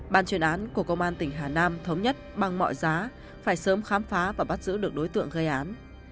ban chuyên án của công an tỉnh hà nam thống nhất bằng mọi giá phải sớm khám phá và bắt giữ được đối tượng gây án